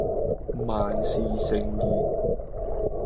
萬事勝意